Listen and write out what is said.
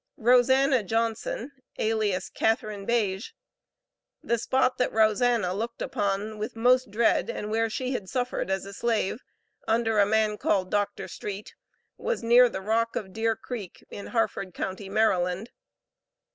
Rosanna Johnson, alias Catharine Beige. The spot that Rosanna looked upon with most dread and where she had suffered as a slave, under a man called Doctor Street, was near the Rock of Deer Creek, in Harford county, Maryland.